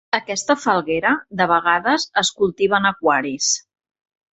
Aquesta falguera de vegades es cultiva en aquaris.